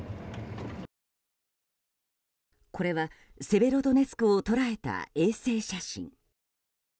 これはセベロドネツクを捉えた衛星写真。